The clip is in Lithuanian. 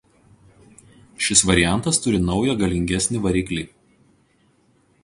Šis variantas turi naują galingesnį variklį.